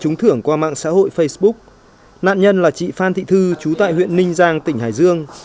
chúng tôi đã được thưởng qua mạng xã hội facebook nạn nhân là chị phan thị thư chú tại huyện ninh giang tỉnh hải dương